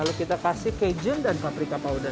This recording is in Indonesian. lalu kita kasih kejun dan paprika powder